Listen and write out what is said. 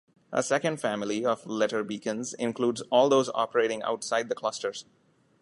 A second family of letter beacons includes all those operating outside the clusters.